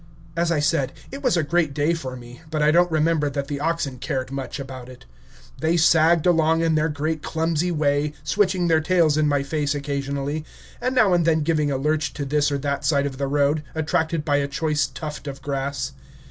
As I said, it was a great day for me, but I don't remember that the oxen cared much about it. They sagged along in their great clumsy way, switching their tails in my face occasionally, and now and then giving a lurch to this or that side of the road, attracted by a choice tuft of grass.